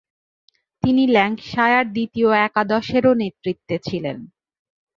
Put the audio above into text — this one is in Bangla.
তিনি ল্যাঙ্কাশায়ার দ্বিতীয় একাদশেরও নেতৃত্বে ছিলেন।